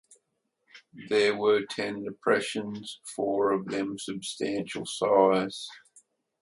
There were ten depressions, four of them of substantial size.